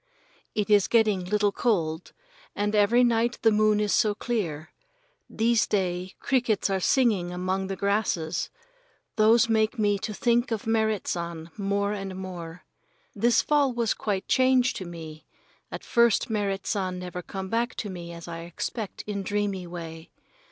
It is getting little cold, and every night the moon is so clear. These day crickets are singing among the grasses. Those make me to think of Merrit San more and more. This fall was quite changed to me. At first Merrit San never come back to me as I expect in dreamy way.